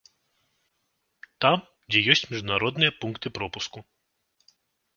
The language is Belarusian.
Там, дзе ёсць міжнародныя пункты пропуску.